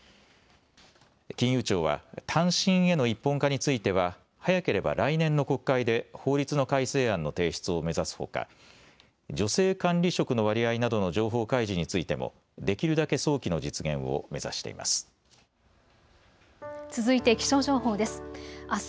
金融庁は短信への一本化については早ければ来年の国会で法律の改正案の提出を目指すほか女性管理職の割合などの情報開示についてもできるだけ早期の実現を目指しています。